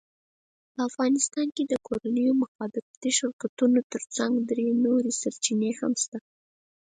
په افغانستان کې د کورنیو مخابراتي شرکتونو ترڅنګ درې نورې سرچینې هم شته،